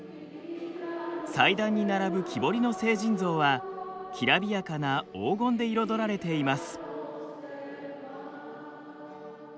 祭壇に並ぶ木彫りの聖人像はきらびやかな黄金で彩られています。